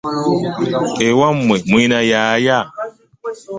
Ewamwe mulina yaaya?